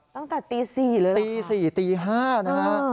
ตั้งแต่ตี๔เลยตี๔ตี๕นะฮะ